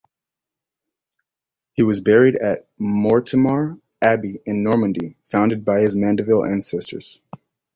He was buried at Mortemar Abbey in Normandy, founded by his Mandeville ancestors.